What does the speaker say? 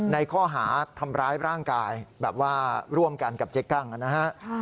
ในข้อหาทำร้ายร่างกายแบบว่าร่วมกันกับเจ๊กั้งนะฮะ